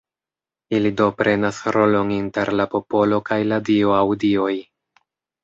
Ili do prenas rolon inter la popolo kaj la Dio aŭ Dioj.